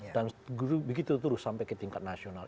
dan begitu terus sampai ke tingkat nasional